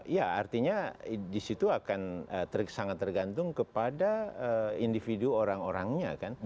ya artinya disitu akan sangat tergantung kepada individu orang orangnya kan